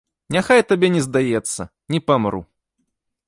Няхай табе не здаецца, не памру.